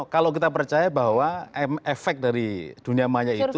kalau kita percaya bahwa efek dari dunia maya itu